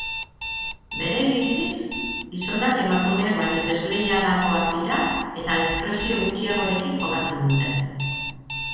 Bere iritziz, gizonak emakumeak baino desleialagoak dira eta diskrezio gutxiagorekin jokatzen dute.